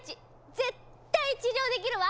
絶対治療できるわ！